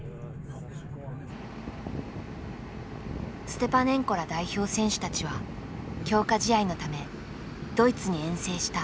ステパネンコら代表選手たちは強化試合のためドイツに遠征した。